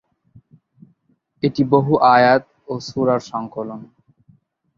এটি বহু আয়াত ও সূরার সংকলন।